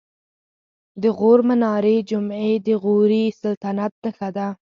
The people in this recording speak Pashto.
د غور منارې جمعې د غوري سلطنت نښه ده